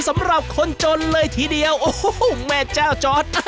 สำหรับคนจนเลยทีเดียวโอ้โหแม่เจ้าจอร์ด